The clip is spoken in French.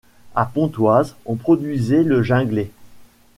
À Pontoise, on produisait le ginglet.